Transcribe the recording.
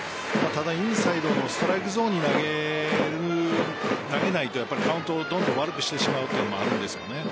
ただインサイドのストライクゾーンに投げないとカウントをどんどん悪くしてしまうというのもあるんですけどね。